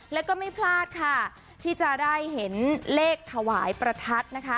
แล้วก็ไม่พลาดค่ะที่จะได้เห็นเลขถวายประทัดนะคะ